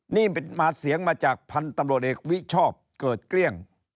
นี่มาเสียงมาจากพันธุ์ตำรวจเอกวิชอบเกิดเกลี้ยง